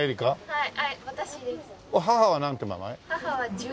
はい。